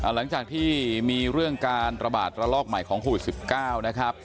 หลังจากที่มีเรื่องการระบาดระลอกใหม่ของโควิด๑๙นะครับ